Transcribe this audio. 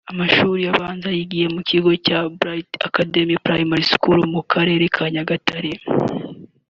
Amashuri abanza yayigiye mu kigo cya "Bright Academy Primary School" mu Karere ka Nyagatare